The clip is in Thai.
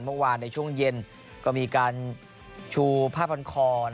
เมื่อวานในช่วงเย็นก็มีการชูผ้าพันคอ